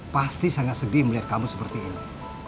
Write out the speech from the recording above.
pasti sangat sedih melihat kamu seperti ini